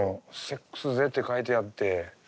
「セックスぜ」って書いてあって。